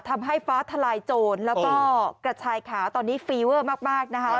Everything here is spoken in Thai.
ทำให้ฟ้าทลายโจรแล้วก็กระชายขาวตอนนี้ฟีเวอร์มากนะคะ